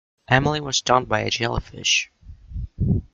Emily was stung by a jellyfish.